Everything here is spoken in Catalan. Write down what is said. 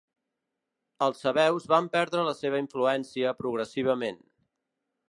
Els sabeus van perdre la seva influència progressivament.